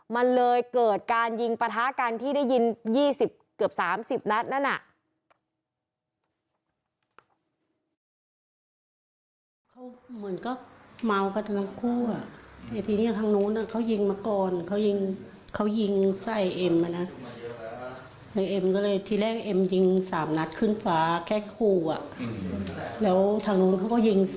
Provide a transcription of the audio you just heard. มันเลยเกิดการยิงประทะการที่ได้ยินเกือบสามสิบนัดนั่นน่ะ